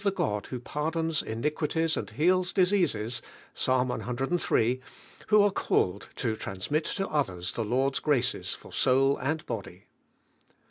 the God who pardons iniquities and heals diseases IPs. eiii.), who are called to transmit to others the Lord's graces fur soul Bad body.